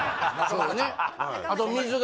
そうよね